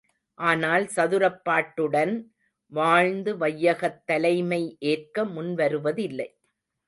ஆனால் சதுரப்பாட்டுடன் வாழ்ந்து வையகத் தலைமை ஏற்க முன் வருவதில்லை.